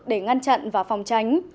để ngăn chặn và phòng cháy